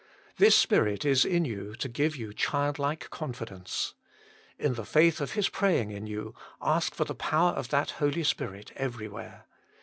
This Spirit is in you to give you childlike confidence. In the faith of His praying in you, ask for the power of that Holy Spirit everywhere.